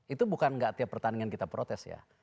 itu bukan nggak tiap pertandingan kita protes ya